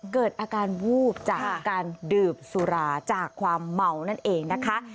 เกิดอาการวูบจากการดื่มสุราจากความเมานั่นเองนะคะ